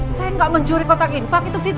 saya nggak mencuri kotak infak itu